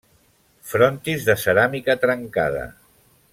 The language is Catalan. Frontis de ceràmica trencada.